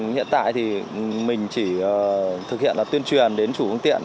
hiện tại thì mình chỉ thực hiện là tuyên truyền đến chủ phương tiện